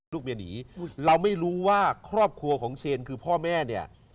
ลูกเมียหนีเราไม่รู้ว่าครอบครัวของเชนคือพ่อแม่เนี่ย